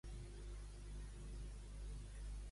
Quan va ser assitiada, la seva metròpolis?